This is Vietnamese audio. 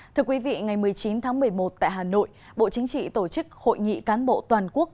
thưa quý vị ngày một mươi chín tháng một mươi một tại hà nội bộ chính trị tổ chức hội nghị cán bộ toàn quốc